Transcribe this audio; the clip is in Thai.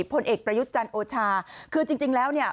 ผลเอกประยุทธ์จันทร์โอชาคือจริงแล้วเนี่ย